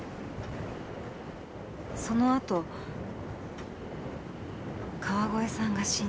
そのあと川越さんが死んだ。